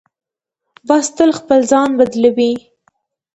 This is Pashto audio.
باز تل خپل ځای بدلوي